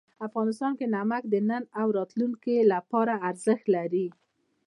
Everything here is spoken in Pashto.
افغانستان کې نمک د نن او راتلونکي لپاره ارزښت لري.